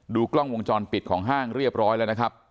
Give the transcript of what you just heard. กล้องวงจรปิดของห้างเรียบร้อยแล้วนะครับ